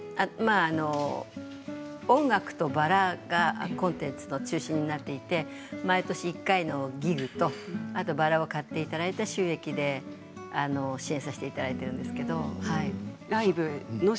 音楽と、バラがコンテンツの中心になっていて毎年１回のＧＩＧとバラを買っていただいた収益で支援させていただいているんですけど。